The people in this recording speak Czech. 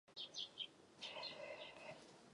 Otázkou tedy je, proč jsme dosud nenalezli kompromis?